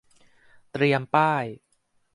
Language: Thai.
เตรียมป้าย